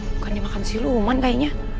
bukan dia makan siluman kayaknya